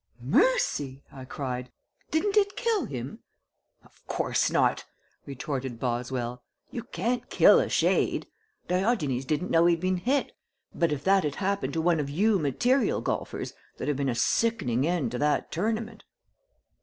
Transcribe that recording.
"Mercy!" I cried. "Didn't it kill him?" "Of course not," retorted Boswell. "You can't kill a shade. Diogenes didn't know he'd been hit, but if that had happened to one of you material golfers there'd have been a sickening end to that tournament."